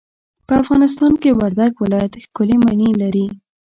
په افغانستان کي وردګ ولايت ښکلې مڼې لري.